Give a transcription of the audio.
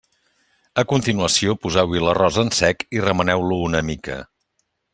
A continuació poseu-hi l'arròs en sec i remeneu-lo una mica.